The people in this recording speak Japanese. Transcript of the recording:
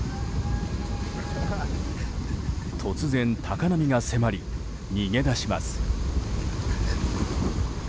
突然、高波が迫り逃げ出します。